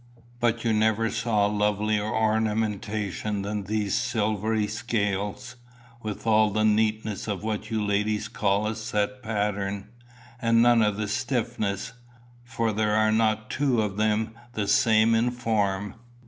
"But you never saw lovelier ornamentation than these silvery scales, with all the neatness of what you ladies call a set pattern, and none of the stiffness, for there are not two of them the same in form.